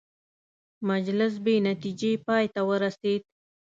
مجلس بې نتیجې پای ته ورسېد.